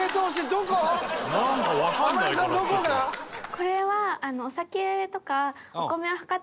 これは枡！？